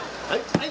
はい。